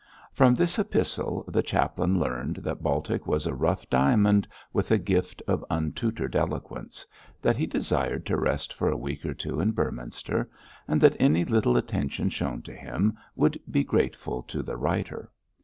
From this epistle the chaplain learned that Baltic was a rough diamond with a gift of untutored eloquence, that he desired to rest for a week or two in Beorminster, and that any little attention shown to him would be grateful to the writer.